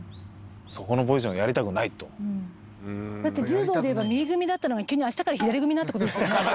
だって柔道でいえば右組みだったのが急に明日から左組みになるってことですよね。